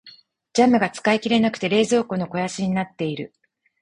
ジャムが使い切れなくて冷蔵庫の肥やしになっている。